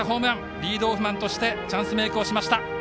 リードオフマンとしてチャンスメークをしました。